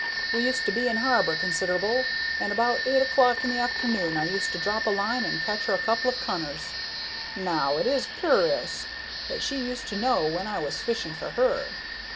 We used to be in harbor consider'ble, and about eight o'clock in the forenoon I used to drop a line and catch her a couple of cunners. Now, it is cur'us that she used to know when I was fishing for her.